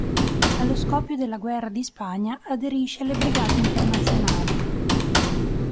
Allo scoppio della guerra di Spagna aderisce alle Brigate internazionali.